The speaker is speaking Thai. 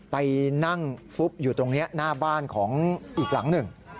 ไปนั่งฟุบอยู่ตรงนี้หน้าบ้านของอีกหลังหนึ่ง